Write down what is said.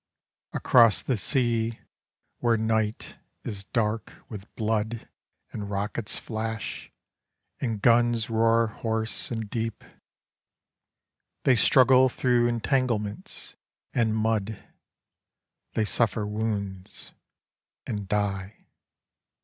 Across the sea, where night is dark with blood And rockets flash, and guns roar hoarse and deep, They struggle through entanglements and mud They suffer wounds — and die.